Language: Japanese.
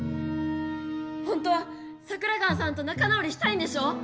ほんとは桜川さんとなか直りしたいんでしょ？